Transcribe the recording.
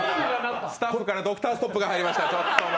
スタッフからドクターストップが入りました。